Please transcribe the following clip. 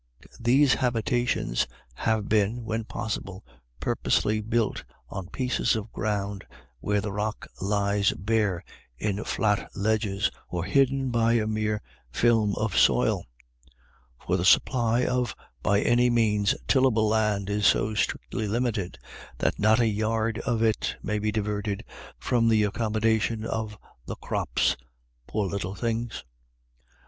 These habitations have been, when possible, purposely built on pieces of ground where the rock lies bare in flat ledges, or hidden \ 8 IRISH ID YLLS, by a mere film of soil ; for the supply of by any means tillable land is so strictly limited, that not a yard of it may be diverted from the accommo dation of " the crops "— poor little things.